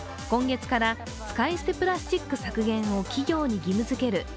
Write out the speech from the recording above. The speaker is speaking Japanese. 今月から使い捨てプラスチック削減を企業に義務づける